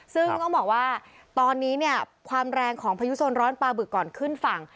ซึ่งต้องบอกว่าตอนนี้เนี่ยความแรงของพายุโซนร้อนปลาบึกก่อนขึ้นฝั่ง